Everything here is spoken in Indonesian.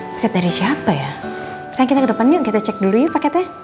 paket dari siapa ya misalnya kita ke depan yuk kita cek dulu yuk paketnya